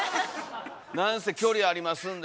「なんせ距離ありますんで」